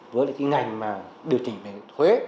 với ngành điều chỉnh về thuế